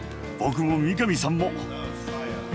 僕も三上さんも。